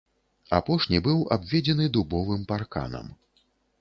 Апошні быў абведзены дубовым парканам.